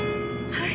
はい。